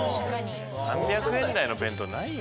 ３００円台の弁当ないよ。